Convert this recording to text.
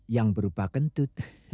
yang berupa kentut